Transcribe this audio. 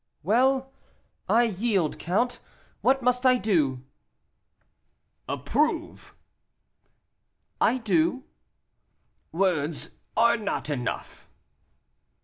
"Well, I yield, count. What must I do?" "Approve." "I do." "Words are not enough."